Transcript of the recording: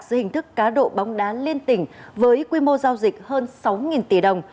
dưới hình thức cá độ bóng đá liên tỉnh với quy mô giao dịch hơn sáu tỷ đồng